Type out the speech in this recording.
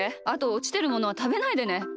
あとおちてるものはたべないでね。